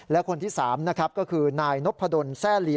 และคนที่๓นะครับก็คือนายนพดลแซ่ลี